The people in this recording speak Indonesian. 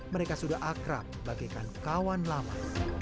mereka sudah akrab bagaikan kawan lama